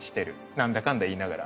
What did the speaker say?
なんだかんだ言いながら。